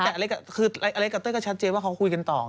ตัวลงแต่อเล็กกับเต้ยก็ชัดเจยว่าเค้าคุยกันต่อ